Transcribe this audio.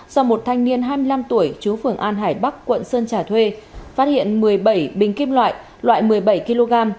do một thanh niên hai mươi năm tuổi chú phường an hải bắc quận sơn trà thuê phát hiện một mươi bảy bình kim loại loại một mươi bảy kg